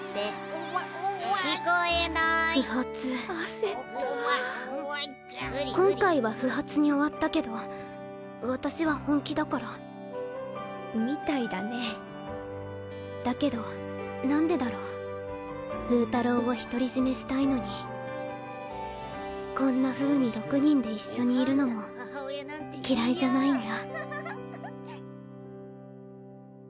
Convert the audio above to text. おばおば聞こえなーい不発焦った今回は不発に終わったけど私は本気だからみたいだねだけど何でだろうフータローを独り占めしたいのにこんなふうに６人で一緒にいるのも嫌いじゃないんだ